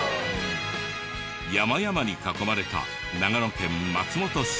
山々に囲まれた長野県松本市。